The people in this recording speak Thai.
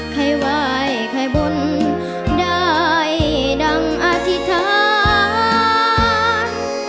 ใครไหว้ใครบนได้ดังอธิษฐาน